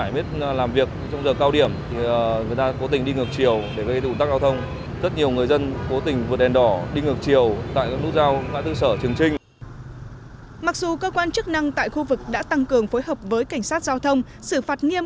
mặc dù cơ quan chức năng tại khu vực đã tăng cường phối hợp với cảnh sát giao thông xử phạt nghiêm